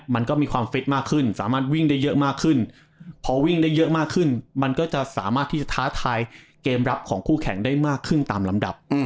มันก็มีความฟิตมากขึ้นสามารถวิ่งได้เยอะมากขึ้นพอวิ่งได้เยอะมากขึ้นมันก็จะสามารถที่จะท้าทายเกมรับของคู่แข่งได้มากขึ้นตามลำดับ